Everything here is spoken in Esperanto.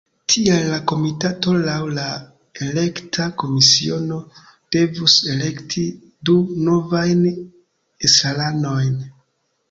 Tial la komitato laŭ la elekta komisiono devus elekti du novajn estraranojn.